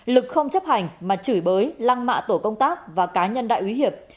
lực không chấp hành mà chửi bới lăng mạ tổ công tác và cá nhân đại úy hiệp